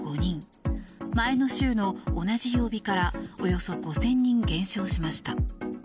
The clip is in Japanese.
前の週の同じ曜日からおよそ５０００人減少しました。